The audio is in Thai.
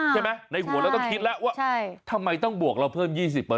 ในหัวเราต้องคิดแล้วว่าทำไมต้องบวกเราเพิ่ม๒๐